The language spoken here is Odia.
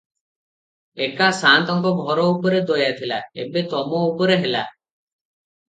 ଏକା ସାଆନ୍ତଙ୍କ ଘର ଉପରେ ଦୟା ଥିଲା, ଏବେ ତମ ଉପରେ ହେଲା ।